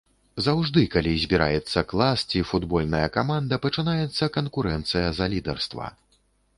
Заўжды, калі збіраецца клас ці футбольная каманда, пачынаецца канкурэнцыя за лідарства.